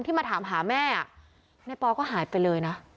มาถามหาแม่ในปอก็หายไปเลยนะ